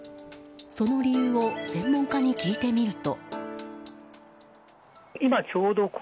その理由を専門家に聞いてみると。